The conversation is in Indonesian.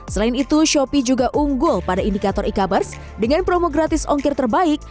selain itu shopee juga unggul pada indikator e commerce dengan promo gratis ongkir terbaik